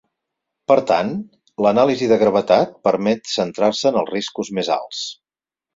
Per tant, l'anàlisi de gravetat permet centrar-se en els riscos més alts.